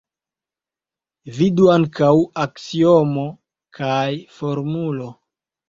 Vidu ankaŭ: Aksiomo Kai Formulo.